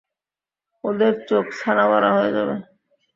ওদের চোখ ছানাবড়া হয়ে যাবে!